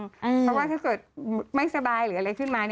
เพราะว่าถ้าเกิดไม่สบายหรืออะไรขึ้นมา